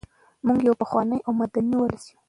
موږ یو پخوانی او مدني ولس یو.